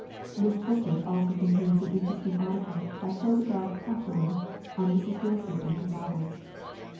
This booklet also contains an interesting article by Hildegarde Hawthorne on Mrs. Willsie and her novels.